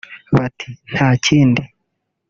bati "Nta kindi